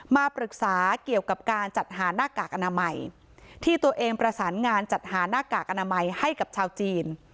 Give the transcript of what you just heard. มาปรึกษาเกี่ยวกับการจัดหาหน้ากากอนามัยที่ตัวเองประสานงานจัดหาหน้ากากอนามัยให้กับชาวจีน